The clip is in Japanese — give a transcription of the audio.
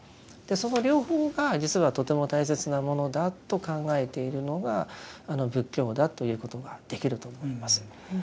その両方が実はとても大切なものだと考えているのが仏教だということができると思います。